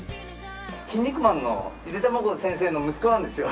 『キン肉マン』のゆでたまご先生の息子なんですよ。